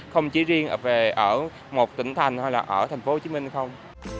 không chỉ riêng ở một tỉnh thành hoặc là ở thành phố hồ chí minh không